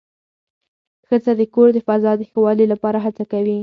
ښځه د کور د فضا د ښه والي لپاره هڅه کوي